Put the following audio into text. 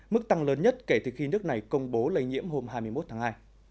mức tăng lớn nhất kể từ khi nước này công bố lây nhiễm hôm hai mươi một tháng hai